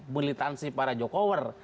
militansi para jokower